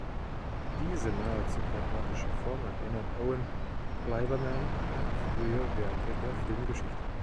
Diese nahezu quadratische Form erinnert Owen Gleiberman an frühe Werke der Filmgeschichte.